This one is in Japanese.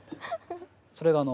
それがこの。